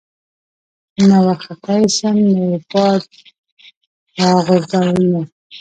نه ورختی شم نه ئې باد را غورځوېنه